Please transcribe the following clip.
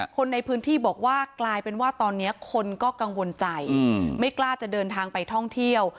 คนในพื้นที่บอกว่ากลายเป็นว่าตอนนี้คนก็กังวลใจไม่กล้าจะเดินทางไปท่องเที่ยว